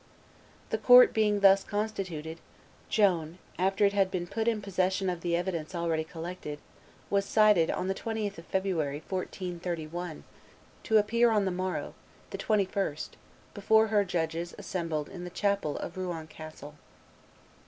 The court being thus constituted, Joan, after it had been put in possession of the evidence already collected, was cited, on the 20th of February, 1431, to appear on the morrow, the 21st, before her judges assembled in the chapel of Rouen Castle.